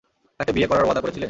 তাকে বিয়ে করার ওয়াদা করেছিলে?